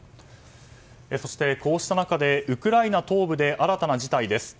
そして、こうした中でウクライナ東部で新たな事態です。